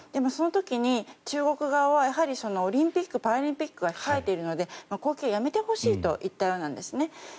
その時に、中国側はオリンピック・パラリンピックが控えているので攻撃をやめてほしいといったそうなんですね。